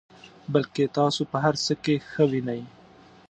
بلکې تاسو په هر څه کې ښه وینئ.